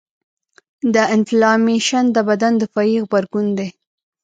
د انفلامیشن د بدن دفاعي غبرګون دی.